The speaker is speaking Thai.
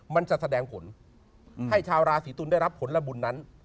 มันจะแสดงผลให้ชาวราศีตุลได้รับผลบุญนั้น